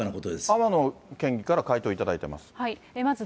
天野県議から回答を頂いています。